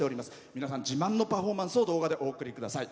皆さん、自慢のパフォーマンスを動画でお送りください。